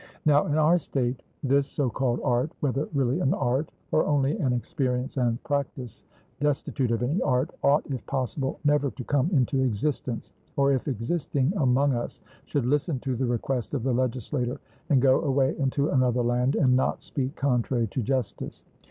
Now in our state this so called art, whether really an art or only an experience and practice destitute of any art, ought if possible never to come into existence, or if existing among us should listen to the request of the legislator and go away into another land, and not speak contrary to justice.